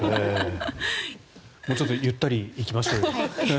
もうちょっとゆったり行きましょう。